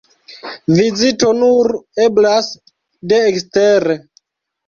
Vizito nur eblas de ekstere.